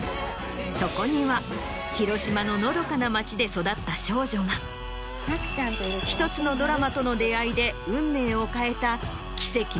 そこには広島ののどかな町で育った少女が１つのドラマとの出合いで運命を変えた。